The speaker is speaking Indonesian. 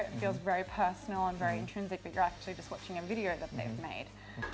ini merasa sangat pribadi dan sangat intrinse tapi anda sebenarnya hanya menonton video yang mereka buat